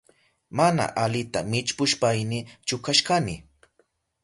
Mana alita millpushpayni chukashkani.